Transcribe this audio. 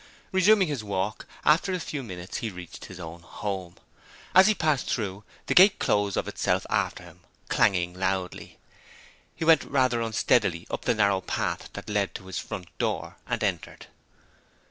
Resuming his walk, after a few minutes he reached his own home. As he passed through, the gate closed of itself after him, clanging loudly. He went rather unsteadily up the narrow path that led to his front door and entered.